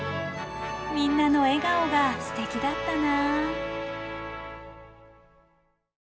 みんなの笑顔がすてきだったな。